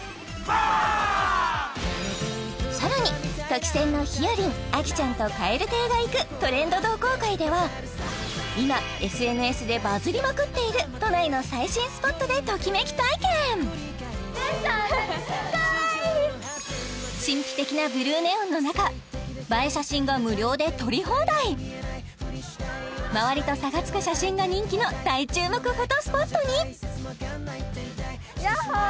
さらにとき宣のひよりんあきちゃんと蛙亭が行く「トレンド同好会」では今ＳＮＳでバズりまくっている都内の最新スポットでときめき体験神秘的な周りと差がつく写真が人気の大注目フォトスポットにヤッホー！